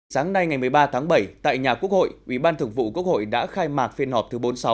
sáng nay ngày một mươi ba tháng bảy tại nhà quốc hội ủy ban thượng vụ quốc hội đã khai mạc phiên họp thứ bốn mươi sáu